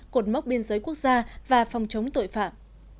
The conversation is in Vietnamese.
cột mốc biên giới quốc gia và phòng chống tội phạm